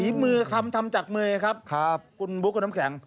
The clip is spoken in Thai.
มือคำทำจากมือครับคุณบุ๊คคุณน้ำแข็ง